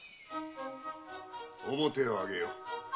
面を上げよ。